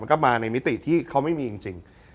ก็มาในมิติที่เขาไม่มีจริง